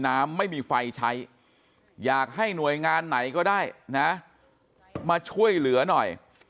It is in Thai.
น้ำไม่มีไฟใช้อยากให้หน่วยงานไหนก็ได้นะมาช่วยเหลือหน่อย